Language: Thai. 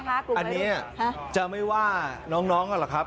อันนี้จะไม่ว่าน้องกันหรอกครับ